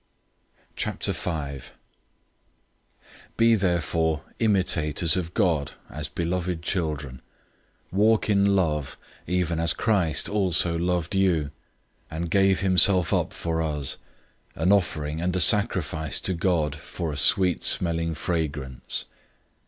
005:001 Be therefore imitators of God, as beloved children. 005:002 Walk in love, even as Christ also loved you, and gave himself up for us, an offering and a sacrifice to God for a sweet smelling fragrance.